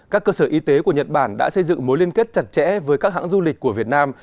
các cơ sở y tế của nhật bản đã xây dựng mối liên kết chặt chẽ với các hãng du lịch của việt nam